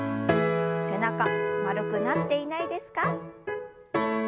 背中丸くなっていないですか。